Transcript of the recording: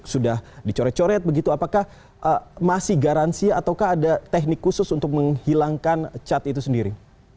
sudah dicoret coret begitu apakah masih garansi ataukah ada teknik khusus untuk menghilangkan cat itu sendiri